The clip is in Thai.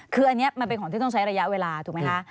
คืออันนี้มันเป็นของที่ต้องใช้ระยะเวลาถูกไหมคะ